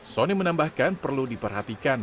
ini menambahkan perlu diperhatikan